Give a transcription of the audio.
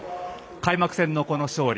開幕戦の勝利